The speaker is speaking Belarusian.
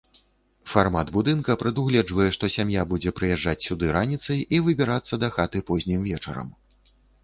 Фармат будынка прадугледжвае, што сям'я будзе прыязджаць сюды раніцай і выбірацца дахаты познім вечарам.